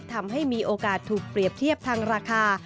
ทำให้มีโอกาสถูกเปรียบเทียบทางราคา